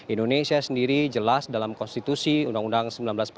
indonesia sendiri jelas dalam konstitusi undang undang seribu sembilan ratus empat puluh